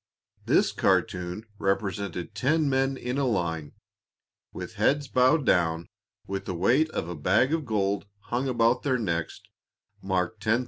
This cartoon represented ten men in a line, with heads bowed down with the weight of a bag of gold hung about their necks, marked "$10,000."